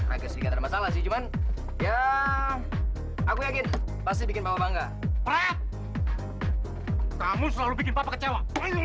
aku yakin pasti bikin bangga kamu selalu bikin papa kecewa